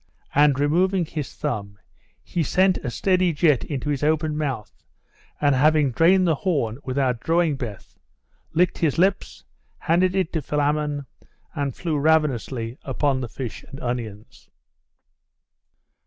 And removing his thumb, he sent a steady jet into his open mouth, and having drained the horn without drawing breath, licked his lips, handed it to Philammon, and flew ravenously upon the fish and onions.